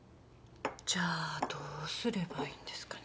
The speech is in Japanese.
じゃあどうすればいいんですかね？